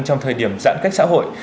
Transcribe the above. trong thời điểm giãn cách xã hội